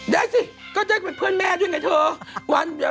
ได้สิก็ได้เป็นเพื่อนแม่ด้วยไงเธอ